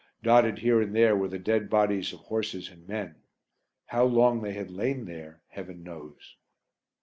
Dotted here and there were the dead bodies of horses and men: how long they had lain there Heaven knows!